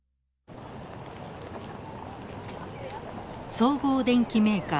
総合電機メーカー